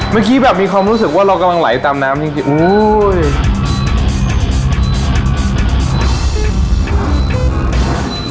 เมื่อกี้แบบมีความรู้สึกว่าเรากำลังไหลตามน้ำจริงอุ้ย